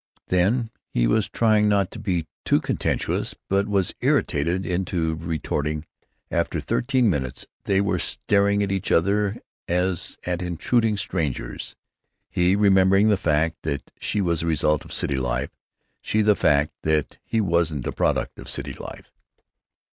Then, he was trying not to be too contentious, but was irritated into retorting. After fifteen minutes they were staring at each other as at intruding strangers, he remembering the fact that she was a result of city life; she the fact that he wasn't a product of city life.